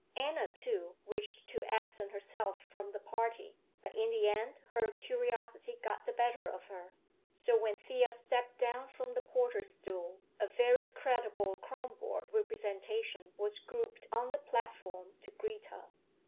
Anna, too, wished to absent herself from the party, but in the end her curiosity got the better of her. So when Thea stepped down from the porter's stool, a very creditable Kronborg representation was grouped on the platform to greet her.